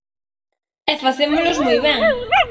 E facémolos moi ben.